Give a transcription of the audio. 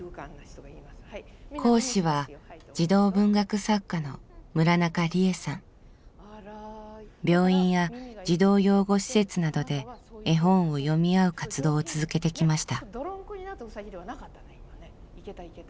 講師は児童文学作家の病院や児童養護施設などで絵本を読み合う活動を続けてきました。